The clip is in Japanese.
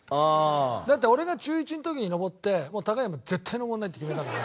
だって俺が中１の時に登ってもう高い山絶対登らないって決めたから。